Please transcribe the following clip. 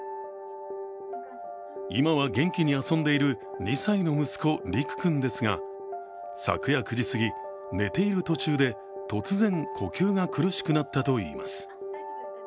今は元気に遊んでいる２歳の息子、陸君ですが昨夜９時すぎ寝ている途中で突然呼吸が苦しくなったといいます。